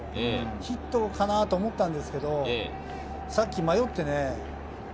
ヒットかなと思ったんですけど、さっき迷って。